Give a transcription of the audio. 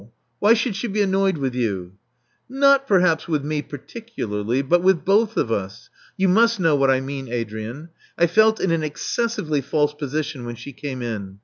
Why should she be annoyed with you?" *'Xot perhaps with me particularly. But with both of us. You must know what I mean, Adrian. I felt in an excessively false position when she came in.